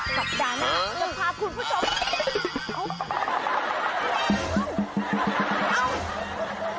สัปดาห์หน้าจะพาคุณผู้ชม